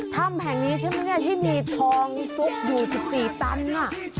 ท่ำแห่งนี้ใช่ไหมที่มีทองซุกอยู่สิบสี่ตั้น